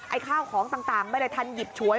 ข้าวของต่างไม่ได้ทันหยิบฉวย